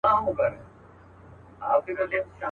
د قدرت گيند چي به خوشي پر ميدان سو.